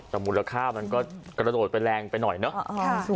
แต่มูลค่ามันก็กระโดดไปแรงไปหน่อยเนาะ